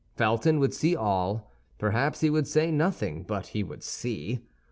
Felton would see all; perhaps he would say nothing, but he would see.